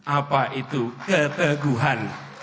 apa itu keteguhan